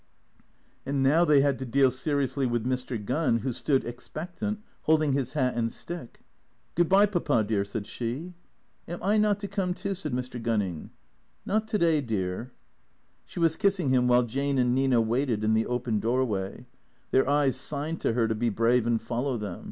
And now they had to deal seriously with Mr. Gunning, who stood expectant, holding his hat and stick. " Good bye, Papa dear," said she. " Am I not to come, too ?" said Mr. Gunning. " Not to day, dear." She was kissing him while Jane and Nina waited in the open doorway. Their eyes signed to her to be brave and follow them.